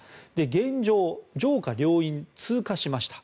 現状、上下両院通過しました。